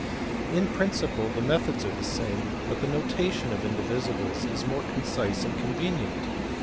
In principle the methods are the same, but the notation of indivisibles is more concise and convenient.